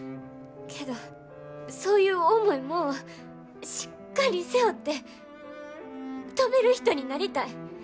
けどそういう重いもんをしっかり背負って飛べる人になりたい。